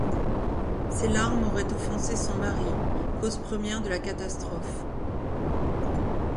Ses larmes auraient offensé son mari, cause première de la catastrophe.